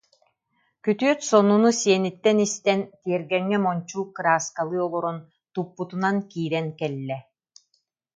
күтүөт сонуну сиэниттэн истэн, тиэргэҥҥэ мончуук кырааскалыы олорон, туппутунан киирэн кэллэ